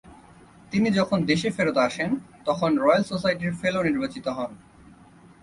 তিনি যখন দেশে ফেরত আসেন, তখন রয়েল সোসাইটির ফেলো নির্বাচিত হন।